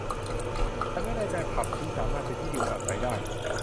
ฉันไม่แน่ใจผับนี้สามารถเป็นที่อยู่อาศัยได้